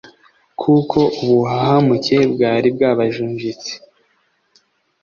kuko ubuhahamuke bwari bwabajunjitse